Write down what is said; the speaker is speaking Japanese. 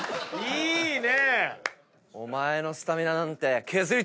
いいね！